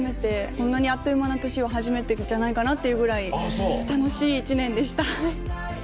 こんなにあっという間な年は初めてじゃないかなっていうぐらい楽しい一年でした。